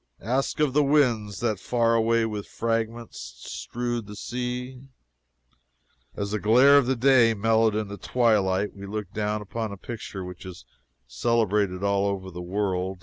Ask of the winds that far away with fragments strewed the sea." As the glare of day mellowed into twilight, we looked down upon a picture which is celebrated all over the world.